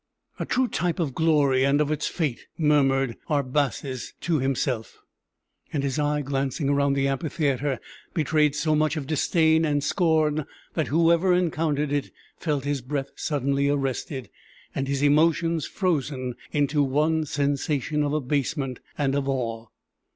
"A true type of glory, and of its fate!" murmured Arbaces to himself; and his eye, glancing around the amphitheatre, betrayed so much of disdain and scorn that whoever encountered it felt his breath suddenly arrested, and his emotions frozen into one sensation of abasement and of awe.